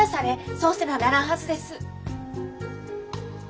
そうせなならんはずです。